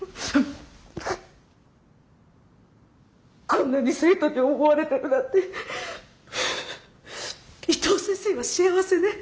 こんなに生徒に思われてるなんて伊藤先生は幸せね。